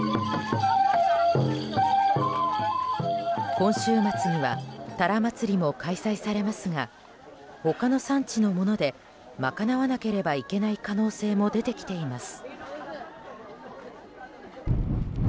今週末には鱈まつりも開催されますが他の産地のもので賄わなければいけない可能性も出てきています。